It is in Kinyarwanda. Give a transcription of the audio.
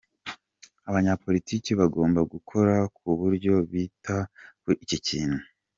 Abanyapolitiki bagomba gukora ku buryo bita kuri iki kintu.